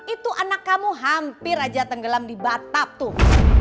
itu anak kamu hampir aja tenggelam di batab tuh